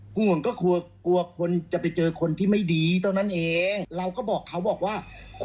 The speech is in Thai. คุณก็จะได้คนที่เอาหนักอาการ